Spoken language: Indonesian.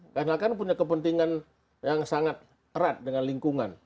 karena kan punya kepentingan yang sangat erat dengan lingkungan